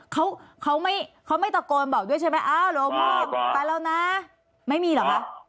เขาเขาไม่เขาไม่ตะโกนบอกด้วยใช่ไหมอ้าวหลวงพ่อไปแล้วนะไม่มีเหรอคะ